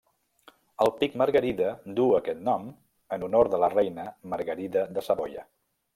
El pic Margarida duu aquest nom en honor de la reina Margarida de Savoia.